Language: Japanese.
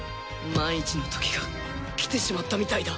万一の時が来てしまったみたいだ。